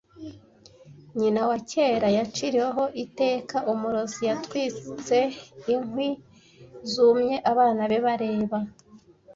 Nyina wa kera, yaciriweho iteka umurozi, yatwitse inkwi zumye, abana be bareba,